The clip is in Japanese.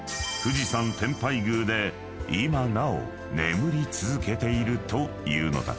冨士山天拝宮で今なお眠り続けているというのだ］